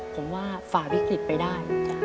ผมว่าฝ่าวิกฤตไปได้